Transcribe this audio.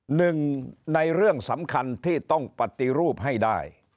หนึ่งในเรื่องสำคัญที่ต้องปฏิรูปให้ได้